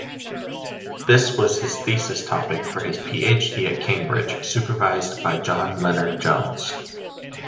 This was his thesis topic for his PhD at Cambridge supervised by John Lennard-Jones.